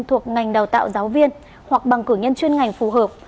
thuộc ngành đào tạo giáo viên hoặc bằng cử nhân chuyên ngành phù hợp